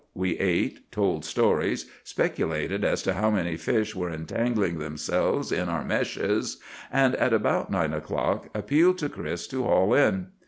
We ate, told stories, speculated as to how many fish were entangling themselves in our meshes, and at about nine o'clock appealed to Chris to haul in.